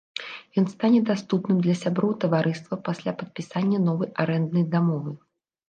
Ён стане даступным для сяброў таварыства пасля падпісання новай арэнднай дамовы.